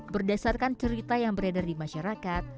berdasarkan cerita yang beredar di masyarakat